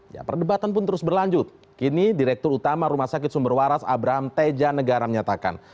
ya perdebatan pun terus berlanjut kini direktur utama rumah sakit sumber waras abraham teja negara menyatakan